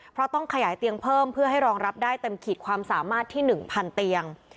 เพราะต้องขยายเตียงเพิ่มเพื่อให้รองรับได้เต็มขีดความสามารถที่๑๐๐เตียง